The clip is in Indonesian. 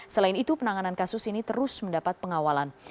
selain itu penanganan kasus ini terus mendapat pengawalan